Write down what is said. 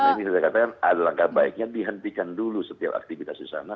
ini saya katakan ada langkah baiknya dihentikan dulu setiap aktivitas di sana